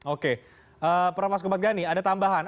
oke prof mas kubaghani ada tambahan